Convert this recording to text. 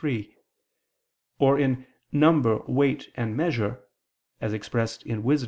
iii) or in "number, weight, and measure," as expressed in Wis.